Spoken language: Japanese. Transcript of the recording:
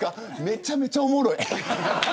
めちゃめちゃおもろい。